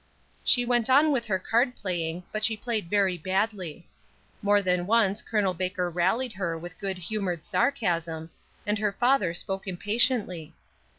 She went on with her card playing, but she played very badly. More than once Col. Baker rallied her with good humored sarcasm, and her father spoke impatiently.